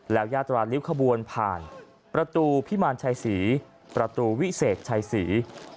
แล้วยาตราริ้วขบวนผ่านประตูพิมารชัยศรีประตูวิเศษชัยศรี